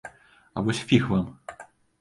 А вось фіг вам!